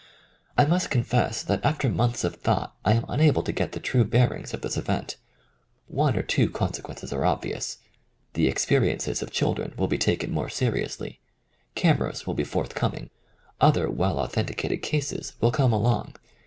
I must confess that after months of thought I am unable to get the true bear ings of this event. One or two consequences are obvious. The experiences of children will be taken more seriously. Cameras will be forthcoming. Other well authenticated cases will come along.